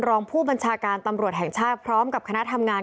รองผู้บัญชาการตำรวจแห่งชาติพร้อมกับคณะทำงาน